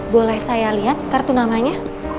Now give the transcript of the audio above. boleh saya lihat kartu namanya